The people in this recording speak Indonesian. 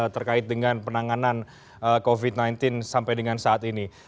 terkait dengan penanganan covid sembilan belas sampai dengan saat ini